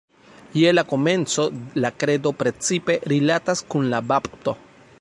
Je la komenco la Kredo precipe rilatas kun la bapto.